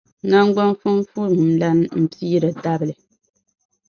Naŋgban’ fumfulumlana m-piiri dabili.